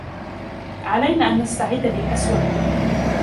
علينا أن نستعد للأسوء.